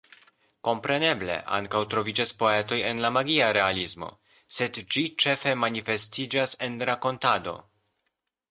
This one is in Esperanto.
Kompreneble, ankaŭ troviĝas poetoj en la magia realismo, sed ĝi ĉefe manifestiĝas en rakontado.